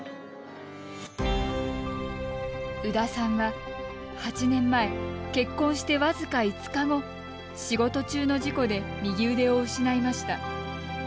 宇田さんは８年前結婚して僅か５日後仕事中の事故で右腕を失いました。